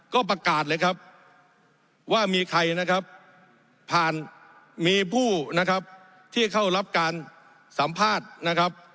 ก็ประกาศเลยครับว่ามีใครนะครับผ่านมีผู้นะครับที่เข้ารับการสัมภาษณ์นะครับ